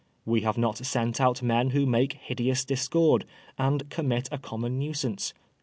We have not sent out men who make hideous discord, and commit a common nuisance.